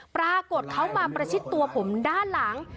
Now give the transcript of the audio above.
ปรากฏเขามาประชิดตัวผมด้านหลัง